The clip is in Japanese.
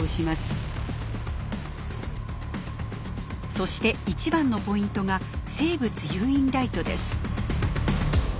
そして一番のポイントが生物誘引ライトです。